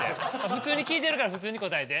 普通に聞いてるから普通に答えて。